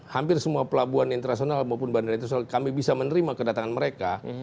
hampir semua pelabuhan internasional maupun bandara internasional kami bisa menerima kedatangan mereka